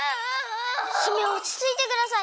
姫おちついてください！